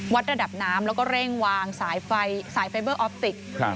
วัดระดับน้ำแล้วก็เร่งวางสายไฟสายไฟเบอร์ออฟติกครับ